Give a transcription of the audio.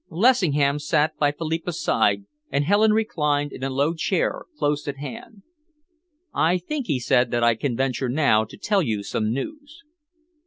Lessingham sat by Philippa's side, and Helen reclined in a low chair close at hand. "I think," he said, "that I can venture now to tell you some news."